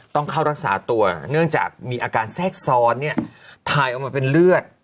ต้องเข้ารักษาตัวเนื่องจากมีอาการแทรกซ้อนเนี่ยถ่ายออกมาเป็นเลือด